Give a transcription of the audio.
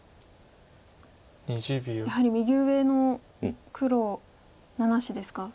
やはり右上の黒７子ですか。